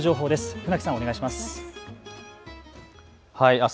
船木さん、お願いしまです。